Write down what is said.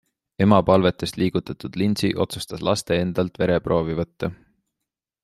Ema palvetest liigutatud Lindsey otsustas laste endalt vereproovi võtta.